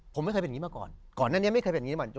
ผมไม่เคยเป็นอย่างงี้มาก่อนก่อนนั้นยังไม่เคยเป็นอย่างงี้มาก